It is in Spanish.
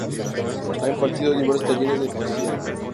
Ha impartido diversos talleres de poesía.